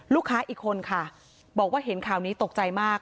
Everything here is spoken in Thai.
ลูกค้าอีกคนค่ะบอกว่าเห็นข่าวนี้ตกใจมาก